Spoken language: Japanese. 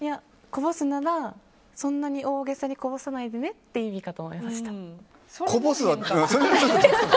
こぼすならそんなに大げさにこぼさないでねっていう意味かと思いました。